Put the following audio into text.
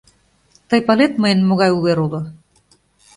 Тый палет, мыйын могай увер уло?